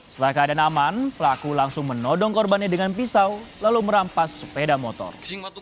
setelah keadaan aman pelaku langsung menodong korbannya dengan pisau lalu merampas sepeda motor